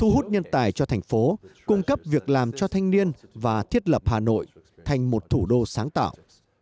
hút nhân tài cho thành phố cung cấp việc làm cho thanh niên và thiết lập hà nội thành một thủ đô sáng tạo